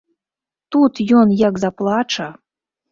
Тут ён як заплача!